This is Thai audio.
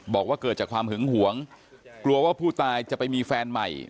บอกว่าเกิดจากความหึงหวงกลัวว่าผู้ตายจะไปมีแฟนใหม่